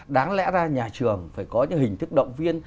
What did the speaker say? đáng lẽ ra nhà trường phải có những hình thức động viên